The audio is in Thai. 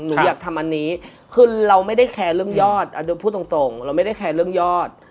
หนูอยากทำอันนี้คือเราไม่ได้แคร์เรื่องยอดพูดตรงเราไม่ได้แคร์เรื่องยอด